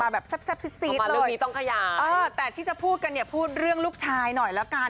แบบแซ่บซีดเลยแต่ที่จะพูดกันเนี่ยพูดเรื่องลูกชายหน่อยละกัน